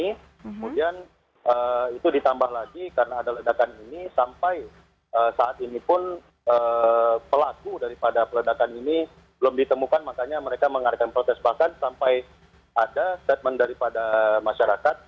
kemudian itu ditambah lagi karena ada ledakan ini sampai saat ini pun pelaku daripada peledakan ini belum ditemukan makanya mereka mengadakan protes bahkan sampai ada statement daripada masyarakat